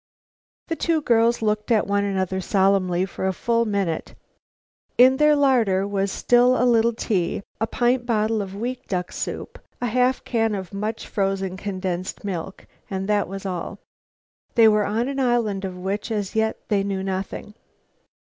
The two girls looked at one another solemnly for a full minute. In their larder was still a little tea, a pint bottle of weak duck soup, a half can of much frozen condensed milk and that was all. They were on an island of which as yet they knew nothing.